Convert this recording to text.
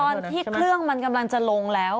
ตอนที่เครื่องมันกำลังจะลงแล้ว